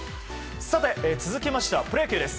さて、続きましてはプロ野球です。